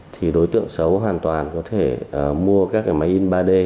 thì đối tượng xấu hoàn toàn có thể mua các cái máy in ba d